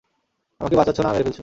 আমাকে বাচাচ্ছো না মেরে ফেলছো?